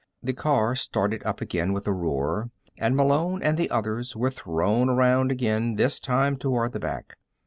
The car started up again with a roar and Malone and the others were thrown around again, this time toward the back.